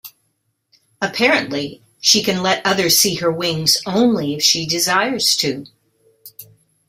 Apparently, she can let others see her wings only if she desires to.